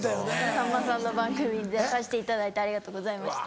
さんまさんの番組に出させていただいてありがとうございました。